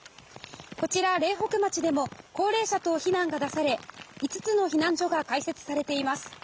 こちら、苓北町でも高齢者等避難が出され５つの避難所が開設されています。